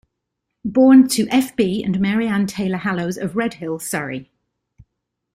Born to F. B. and Mary Ann Taylor Hallowes, of Redhill, Surrey.